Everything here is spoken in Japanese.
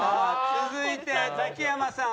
続いてザキヤマさん。